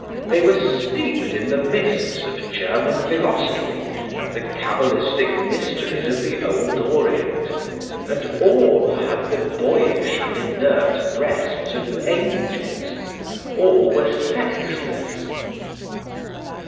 They were steeped in the mists of German philosophy and the cabalistic mysteries of the old Orient; and all had the boyish and inert breasts of angels, all were sexless.